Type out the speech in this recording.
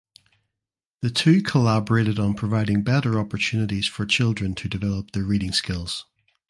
The two collaborated on providing better opportunities for children to develop their reading skills.